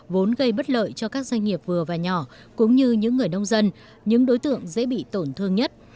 vốn gây bất lợi cho các doanh nghiệp vừa và nhỏ cũng như những người nông dân những đối tượng dễ bị tổn thương nhất